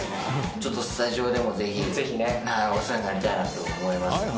ちょっとスタジオでもぜひお世話になりたいなと思いますんで。